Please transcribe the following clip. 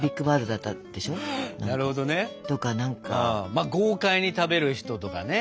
まあ豪快に食べる人とかね。